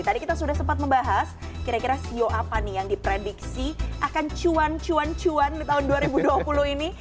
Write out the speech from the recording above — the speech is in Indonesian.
tadi kita sudah sempat membahas kira kira sio apa nih yang diprediksi akan cuan cuan cuan di tahun dua ribu dua puluh ini